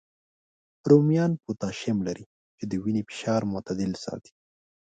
رومیان پوتاشیم لري، چې د وینې فشار معتدل ساتي